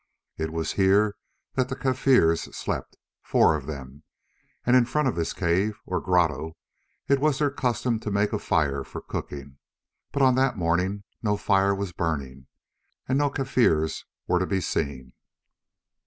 It was here that the Kaffirs slept—four of them—and in front of this cave or grotto it was their custom to make a fire for cooking. But on that morning no fire was burning, and no Kaffirs were to be seen.